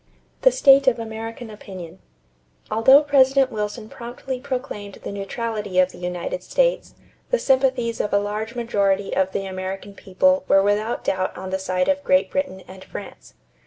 =The State of American Opinion.= Although President Wilson promptly proclaimed the neutrality of the United States, the sympathies of a large majority of the American people were without doubt on the side of Great Britain and France.